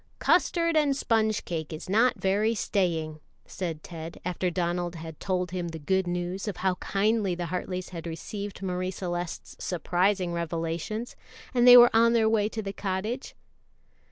"Custard and sponge cake is not very staying," said Ted, after Donald had told him the good news of how kindly the Hartleys had received Marie Celeste's surprising revelations, and they were on their way to the cottage.